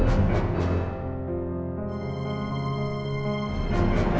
aku mau ke rumah